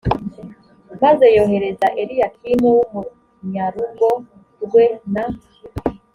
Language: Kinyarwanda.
maze yohereza eliyakimu w umunyarugo rwe na